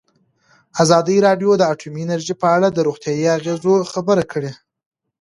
ازادي راډیو د اټومي انرژي په اړه د روغتیایي اغېزو خبره کړې.